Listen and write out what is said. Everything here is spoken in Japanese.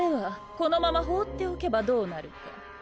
このまま放っておけばどうなるか？